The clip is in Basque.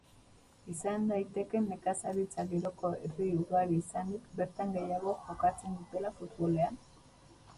Izan daiteke nekazaritza giroko herri ugari izanik, bertan gehiago jokatzen dutela futbolean?